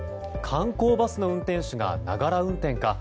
観光バスの運転手がながら運転か。